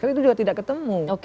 itu juga tidak ketemu